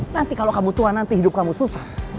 nanti kalau kamu tua nanti hidup kamu susah